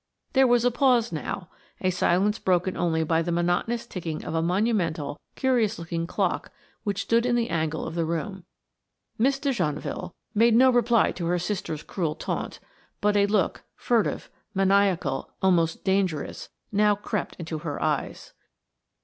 There was a pause now, a silence broken only by the monotonous ticking of a monumental, curious looking clock which stood in an angle of the room. Miss de Genneville had made no reply to her sister's cruel taunt, but a look, furtive, maniacal, almost dangerous, now crept into her eyes.